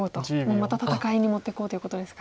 また戦いに持っていこうということですか。